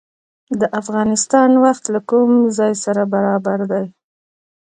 د افغانستان وخت له کوم ځای سره برابر دی؟